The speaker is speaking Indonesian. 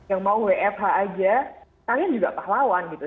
yang mau wfh aja kalian juga pahlawan gitu